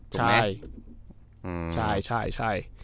ใช่ใช่ใช่ใช่